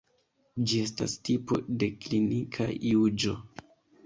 Ĝi estas tipo de klinika juĝo.